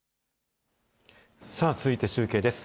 さあ、続いて中継です。